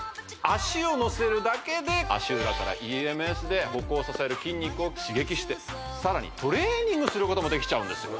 足をのせるだけで足裏からＥＭＳで歩行を支える筋肉を刺激してさらにトレーニングすることもできちゃうんですよ